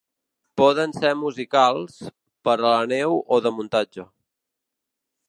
Poden ser musicals, per a la neu o de muntatge.